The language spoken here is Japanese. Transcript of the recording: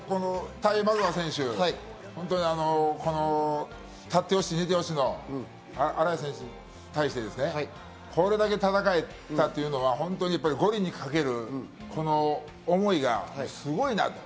タイマゾワ選手、立ってよし、寝てよしの新井選手に対して、これだけ戦えたというのは五輪にかける思いがすごいなと。